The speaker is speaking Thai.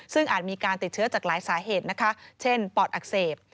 ซึ่งอาจมีการติดเชื้อจากหลายสาเหตุนะคะเช่นปอดอักเสบ